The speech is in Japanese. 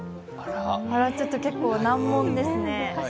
ちょっと結構難問ですね。